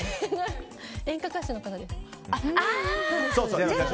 演歌歌手の方です。